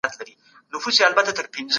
نارينه بايد د نظام ملاتړ وکړي.